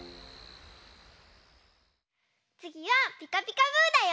つぎは「ピカピカブ！」だよ。